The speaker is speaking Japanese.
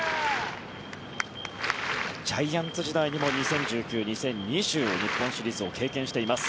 ジャイアンツ時代にも２０１９、２０２０日本シリーズを経験しています。